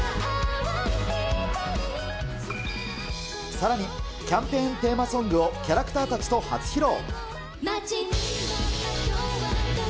さらにキャンペーンテーマソングをキャラクターたちと初披露。